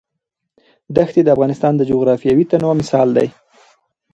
دښتې د افغانستان د جغرافیوي تنوع مثال دی.